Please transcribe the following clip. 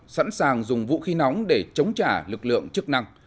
sẵn sàng dùng vũ khí nóng để chống trả lực lượng chức năng